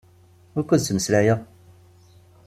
Wukkud ttmeslayeɣ?